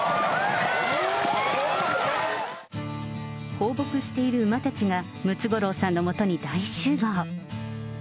放牧している馬たちが、ムツゴロウさんのもとに大集合。